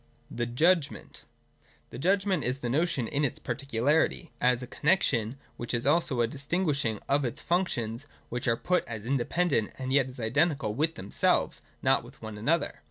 (6) The Judgment. 166.] The Judgment is the notion in its particularity, as a connexion which is also a distinguishing of its functions, which are put as independent and yet as identical with themselves, not with one another.